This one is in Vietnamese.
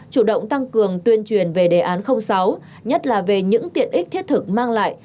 chủ động tăng cường tuyên truyền về đề án sáu nhất là về những tiện ích thiết thực mang lại